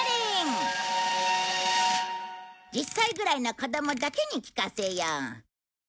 １０歳ぐらいの子どもだけに聞かせよう。